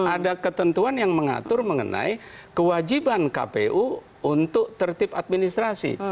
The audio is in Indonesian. ada ketentuan yang mengatur mengenai kewajiban kpu untuk tertib administrasi